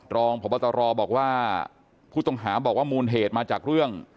รองพบตรบอกว่าผู้ต้องหาบอกว่ามูลเหตุมาจากเรื่อง